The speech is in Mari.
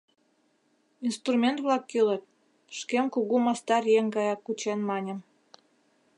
— Инструмент-влак кӱлыт, — шкем кугу мастар еҥ гаяк кучен маньым.